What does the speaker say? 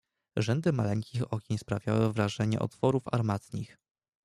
"Rzędy maleńkich okien sprawiały wrażenie otworów armatnich."